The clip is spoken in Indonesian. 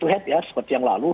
dan head to head seperti yang lalu